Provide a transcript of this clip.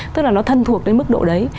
tức là nó thân thuộc đến mức độ đấy